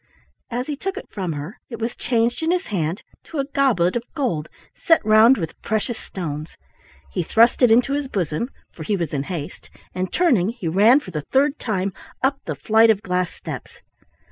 As he took it from her, it was changed in his hand to a goblet of gold set round with precious stones. He thrust it into his bosom, for he was in haste, and turning he ran for the third time up the flight of glass steps.